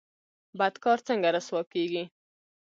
بد کار څنګه رسوا کیږي؟